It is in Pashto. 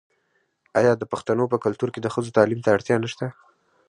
آیا د پښتنو په کلتور کې د ښځو تعلیم ته اړتیا نشته؟